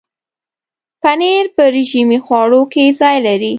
پنېر په رژیمي خواړو کې ځای لري.